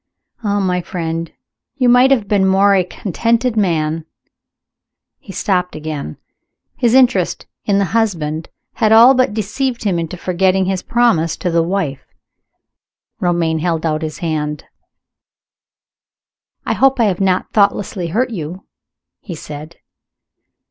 Oh, my friend, you might have been a more contented man " He stopped again. His interest in the husband had all but deceived him into forgetting his promise to the wife. Romayne held out his hand. "I hope I have not thoughtlessly hurt you?" he said.